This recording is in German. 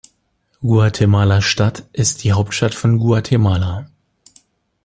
Guatemala-Stadt ist die Hauptstadt von Guatemala.